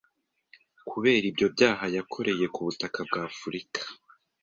kubera ibyo byaha yakoreye ku butaka bw’ Afurika